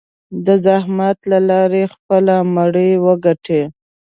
د زحمت له لارې خپله مړۍ وګټي.